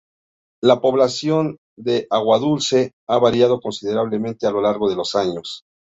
La población de Aguadulce ha variado considerablemente a lo largo de los años.